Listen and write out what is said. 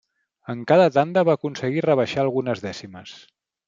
En cada tanda va aconseguir rebaixar algunes dècimes.